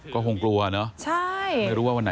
ก็คงกลัวเนอะ